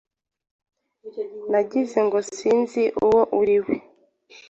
Nagize ngo sinzi uwo ari we